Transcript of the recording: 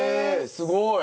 すごい。